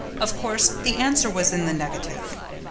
Of course, the answer was in the negative.